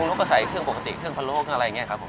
การปรุงรสก็ใส่เครื่องปกติเครื่องพะโลกอะไรอย่างเงี้ยครับผม